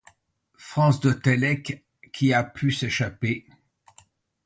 Franz de Télek qui a pu s’échapper...